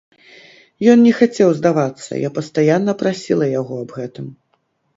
Ён не хацеў здавацца, я пастаянна прасіла яго аб гэтым.